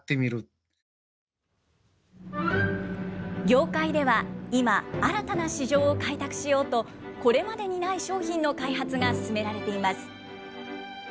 業界では、今、新たな市場を開拓しようと、これまでにない商品の開発が進められています。